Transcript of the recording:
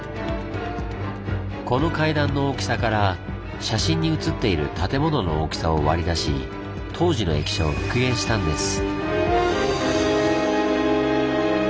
この階段の大きさから写真に写っている建物の大きさを割り出し当時の駅舎を復元したんです。